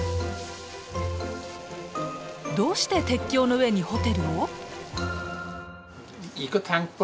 どうして鉄橋の上にホテルを？